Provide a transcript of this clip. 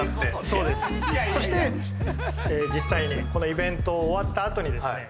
そうですそして実際にこのイベントを終わったあとにですね